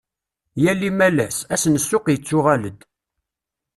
Yal imalas, ass n ssuq yettuɣal-d.